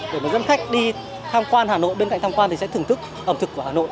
để mà dân khách đi tham quan hà nội bên cạnh tham quan thì sẽ thưởng thức ẩm thực của hà nội